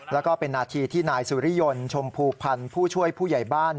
แล้วก็เป็นนาทีที่นายสุริยนต์ชมพูพันธ์ผู้ช่วยผู้ใหญ่บ้าน